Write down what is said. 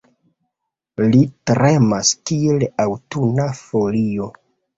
Li tremas kiel aŭtuna folio.